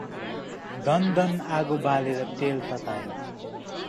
दनदन आगो बालेर तेल ततायो ।